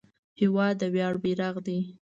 هېواد د ویاړ بیرغ دی.